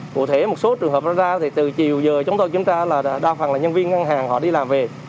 cụ thể một số trường hợp nó ra thì từ chiều giờ chúng tôi kiểm tra là đa phần là nhân viên ngân hàng họ đi làm về